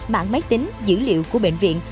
mạng máy tính dữ liệu của bệnh viện